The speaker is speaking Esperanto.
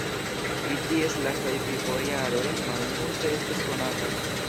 Pri ties lastaj vivojaroj malmulte estas konata.